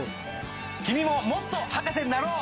君ももっと博士になろう！